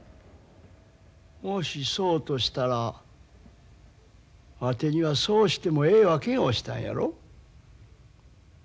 もしそうとしたらワテにはそうしてもええわけおしたんやろ。